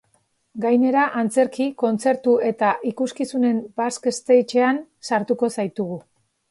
Gainera antzerki, kontzertu eta ikuskizunen baskstagean sartuko zaitugu.